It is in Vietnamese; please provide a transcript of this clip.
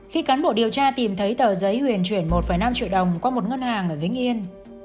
khi cán bộ điều tra tìm thấy tờ giấy huyền chuyển một năm triệu đồng qua một ngân hàng ở vĩnh yên